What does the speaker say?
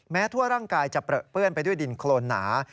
ทั่วร่างกายจะเปลื้อนไปด้วยดินโครนหนา